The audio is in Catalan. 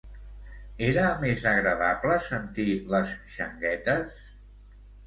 Era més agradable sentir les Xanguetes?